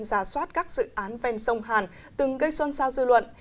ra soát các dự án ven sông hàn từng gây xuân sao dư luận